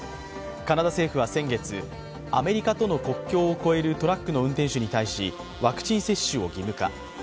カナダ政府は先月、アメリカとの国境を越えるトラックの運転手に対しワクチン接種を義務化。